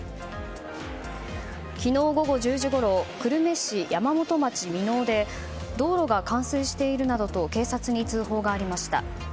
昨日午後１０時ごろ久留米市山本町耳納で道路が冠水しているなどと警察に通報がありました。